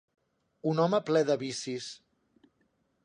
Un home ple de vicis.